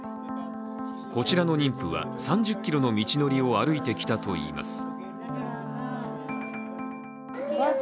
こちらの妊婦は３０ｋｍの道のりを歩いてきたといいます。